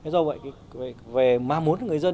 do vậy về ma muốn người dân